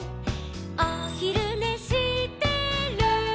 「おひるねしてる」